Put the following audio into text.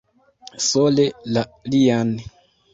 Sole la lian.